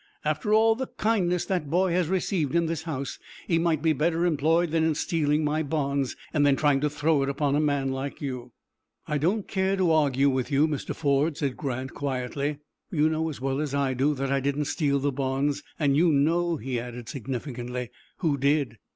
"After all the kindness that boy has received in this house, he might be better employed than in stealing my bonds, and then trying to throw it upon a man like you." "I don't care to argue with you, Mr. Ford," said Grant, quietly. "You know as well as I do that I didn't steal the bonds, and you know," he added, significantly, "who did."